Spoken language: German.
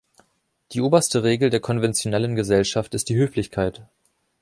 Die oberste Regel der konventionellen Gesellschaft ist die Höflichkeit.